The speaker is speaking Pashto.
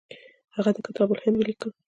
هغه د کتاب الهند ولیکه.